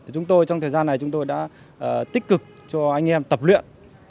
chúng tôi trong thời gian này đã tích cực cho anh em tập luyện